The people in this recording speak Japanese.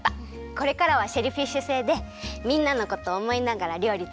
これからはシェルフィッシュ星でみんなのことおもいながらりょうりつくるね。